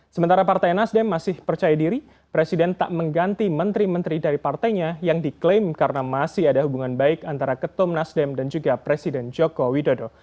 sementara partai nasdem masih percaya diri presiden tak mengganti menteri menteri dari partainya yang diklaim karena masih ada hubungan baik antara ketum nasdem dan juga presiden joko widodo